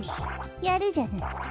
やるじゃない。